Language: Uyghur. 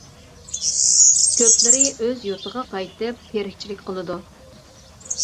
كۆپلىرى ئۆز يۇرتىغا قايتىپ تىرىكچىلىك قىلىدۇ.